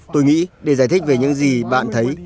tôi nghĩ để giải thích về những gì bạn thấy